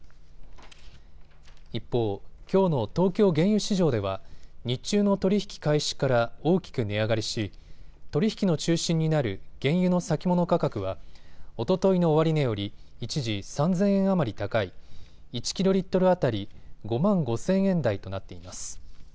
一方、きょうの東京原油市場では日中の取引開始から大きく値上がりし取り引きの中心になる原油の先物価格は、おとといの終値より一時３０００円余り高い１キロリットル当たり５万５０００円台となっています。